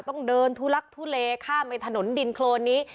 ต้องเดินทุลักทุเลข้ามไปถนนดินโครนนี้